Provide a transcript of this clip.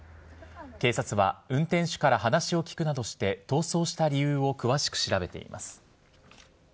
警察は運転手から話を聴くなどして、逃走した理由を詳しく調べています。